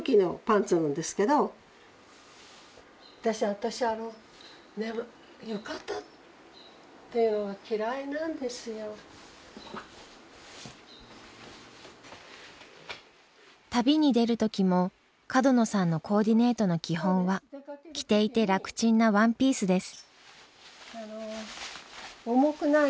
私あの旅に出る時も角野さんのコーディネートの基本は着ていて楽ちんなワンピースです。